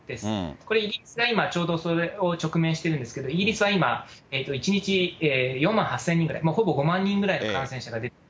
これ、イギリスが今、ちょうどそれに直面してるんですけど、イギリスは今、１日４万８０００人ぐらい、もうほぼ５万人ぐらいの感染者が出てます。